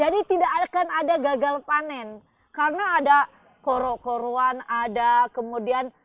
jadi tidak akan ada gagal panen karena ada korok koruan ada kemudian